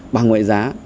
bằng ngoại giá